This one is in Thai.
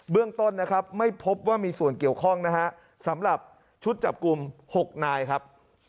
เรื่องต้นนะครับไม่พบว่ามีส่วนเกี่ยวข้องนะฮะสำหรับชุดจับกลุ่ม๖นายครับ